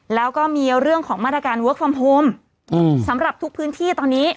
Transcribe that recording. แล้วก็มีเรื่องของมาตรการเวิร์คฟอร์มโฮมสำหรับทุกพื้นที่ตอนนี้